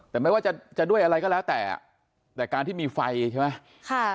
แต่ไม่ว่าจะจะด้วยอะไรก็แล้วแต่แต่การที่มีไฟใช่ไหมค่ะ